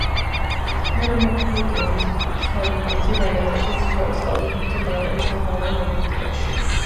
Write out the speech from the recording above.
ფერომაგნიტური სითხეები მათი გარდატეხის თვისებების წყალობით ფართო გამოყენებას ჰპოვებენ ოპტიკაში.